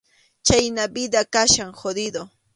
Chhayna vida kachkan jodido.